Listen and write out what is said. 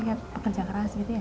lihat pekerja keras gitu ya